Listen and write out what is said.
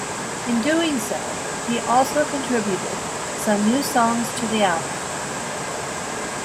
In doing so, he also contributed some new songs to the album.